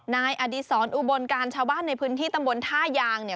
นายอดีศรอุบลการชาวบ้านในพื้นที่ตำบลท่ายางเนี่ย